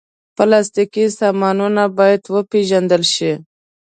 پلاستيکي سامانونه باید وپېژندل شي.